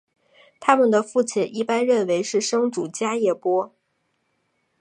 他们的父亲一般认为是生主迦叶波。